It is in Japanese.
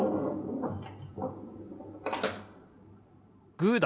グーだ！